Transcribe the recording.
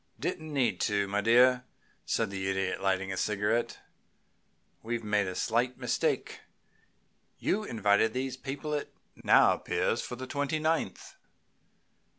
"Didn't need to, my dear," said the Idiot, lighting a cigarette. "We've made a slight mistake. You invited these people, it now appears, for the twenty ninth."